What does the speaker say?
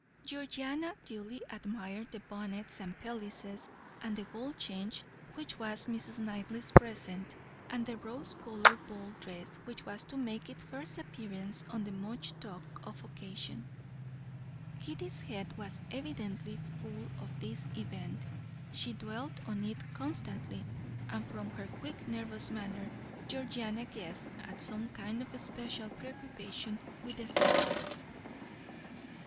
Georgiana duly admired the bonnets and pelisses, and the gold chain which was Mrs. Knightley's present, and the rose coloured ball dress which was to make its first appearance on the much talked of occasion. Kitty's head was evidently full of this event; she dwelt on it constantly, and from her quick nervous manner Georgiana guessed at some kind of special preoccupation with the subject.